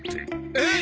えっ！？